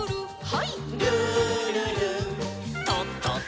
はい。